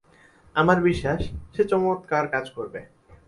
আমার বিশ্বাস, সে চমৎকার কাজ করবে।